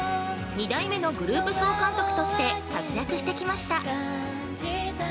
２代目のグループ総監督として活躍してきました。